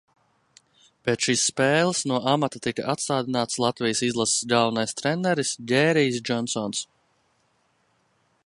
Pēc šīs spēles no amata tika atstādināts Latvijas izlases galvenais treneris Gērijs Džonsons.